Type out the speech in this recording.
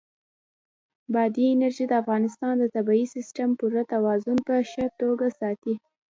بادي انرژي د افغانستان د طبعي سیسټم پوره توازن په ښه توګه ساتي.